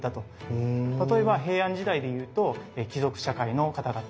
例えば平安時代でいうと貴族社会の方々。